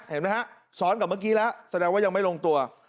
เห็นไหมฮะซ้อนกับเมื่อกี้แล้วแสดงว่ายังไม่ลงตัว